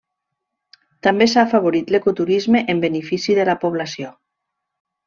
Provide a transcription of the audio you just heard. També s'ha afavorit l'ecoturisme en benefici de la població.